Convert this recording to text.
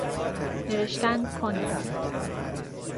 نوشتن کند است